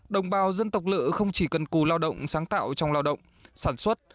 đồng bào dân tộc lự không chỉ cần cù lao động sáng tạo trong lao động sản xuất